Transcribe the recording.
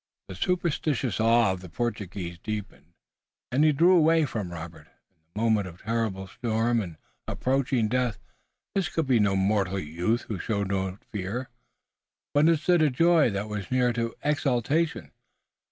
The superstitious awe of the Portuguese deepened, and he drew away from Robert. In the moment of terrible storm and approaching death this could be no mortal youth who showed not fear, but instead a joy that was near to exaltation.